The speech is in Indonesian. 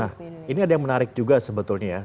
nah ini ada yang menarik juga sebetulnya ya